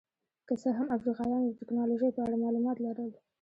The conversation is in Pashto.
که څه هم افریقایانو د ټکنالوژۍ په اړه معلومات لرل.